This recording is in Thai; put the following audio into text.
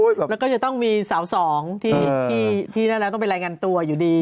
แล้วก็จะต้องมีสาวสองที่นั่นแล้วต้องไปรายงานตัวอยู่ดี